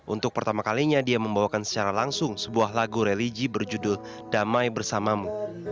untuk pertama kalinya dia membawakan secara langsung sebuah lagu religi berjudul damai bersamamu